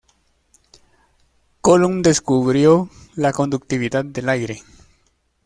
Coulomb descubrió la conductividad del aire.